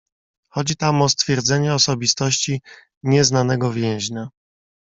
"Chodzi tam o stwierdzenie osobistości nieznanego więźnia."